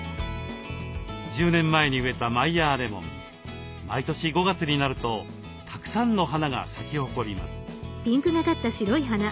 １０年前に植えたマイヤーレモン毎年５月になるとたくさんの花が咲き誇ります。